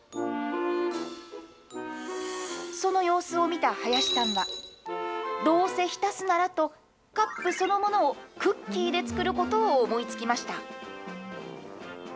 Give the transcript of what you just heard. その様子を見た林さんは、どうせ浸すならと、カップそのものをクッキーで作ることを思いつきました。